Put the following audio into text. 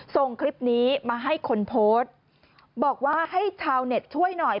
ส่งคลิปนี้มาให้คนโพสต์บอกว่าให้ชาวเน็ตช่วยหน่อย